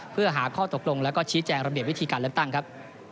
เพื่อหาข้อตกลงแล้วก็ชี้แจงระเบียบวิธีการเลือกตั้งครับ